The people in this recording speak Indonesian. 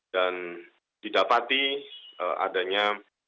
dan didapati adanya